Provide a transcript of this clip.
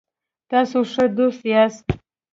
تاسو ښه دوست یاست